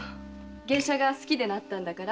芸者が好きでなったんだから。